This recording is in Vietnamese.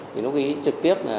thì nó ghi trực tiếp